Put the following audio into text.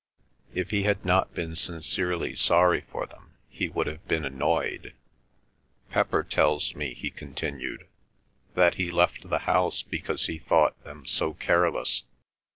If he had not been sincerely sorry for them he would have been annoyed. "Pepper tells me," he continued, "that he left the house because he thought them so careless.